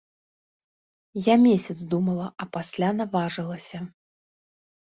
Я месяц думала, а пасля наважылася.